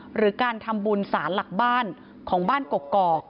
หรือการทำบุญสารหลักบ้านของบ้านกกอก